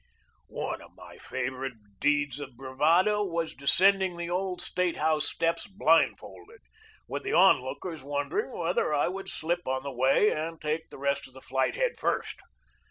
One of my favorite deeds of bravado was de scending the old State house steps blindfolded, with the on lookers wondering whether I would slip on the way and take the rest of the flight head first.